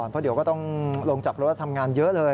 เพราะเดี๋ยวก็ต้องลงจากรถทำงานเยอะเลย